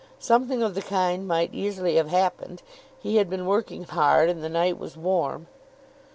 Something of the kind might easily have happened. He had been working hard, and the night was warm....